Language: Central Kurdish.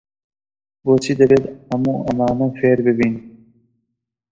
بۆچی دەبێت هەموو ئەمانە فێر ببین؟